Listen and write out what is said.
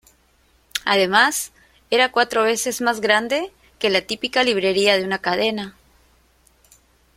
Además, era cuatro veces más grande que la típica librería de una cadena.